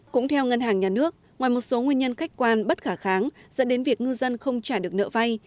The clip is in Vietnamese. cũng theo ngân hàng nhà nước ngoài một số nguyên nhân khách quan bất khả kháng dẫn đến việc ngư dân không trả được nợ vay